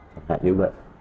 hoặc là như vậy